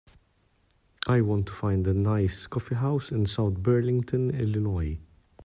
I want to find a nice coffeehouse in South Burlington Illinois